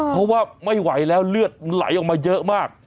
เพราะว่าไม่ไหวแล้วเลือดไหลออกมาเยอะมาก